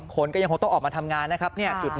คนก็ยังคงต้องออกมาทำงานนะครับ